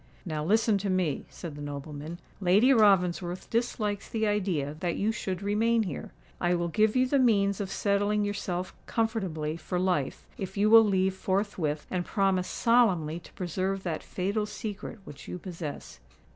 "Now listen to me," said the nobleman. "Lady Ravensworth dislikes the idea that you should remain here. I will give you the means of settling yourself comfortably for life, if you will leave forthwith, and promise solemnly to preserve that fatal secret which you possess."